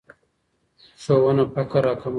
ښوونه فقر راکموي.